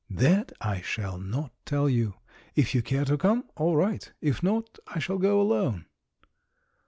"That I shall not tell you; if you care to come, all right; if not, I shall go alone."